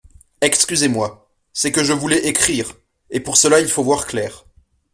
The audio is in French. Excusez-moi ; c'est que je voulais écrire, et pour cela il faut voir clair.